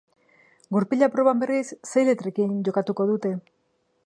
Gurpila proban, berriz, sei letrekin jokatuko dute.